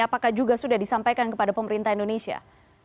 apakah juga sudah disampaikan kepada pemerintah indonesia